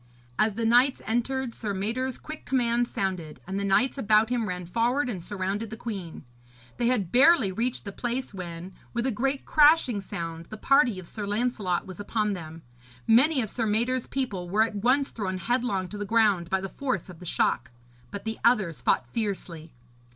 As the knights entered, Sir Mador's quick commands sounded, and the knights about him ran forward and surrounded the queen. They had barely reached the place when, with a great crashing sound, the party of Sir Lancelot was upon them. Many of Sir Mador's people were at once thrown headlong to the ground by the force of the shock; but the others fought fiercely.